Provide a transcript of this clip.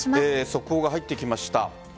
速報が入ってきました。